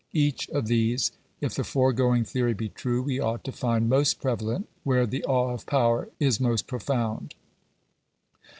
Each of these, if the foregoing theory be true ; we ought to find most prevalent where the awe of power is most profound.